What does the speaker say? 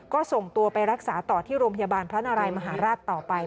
ก็ส่งตัวไปรักษาต่อที่โรงพยาบาลพระนารายมหาราชต่อไป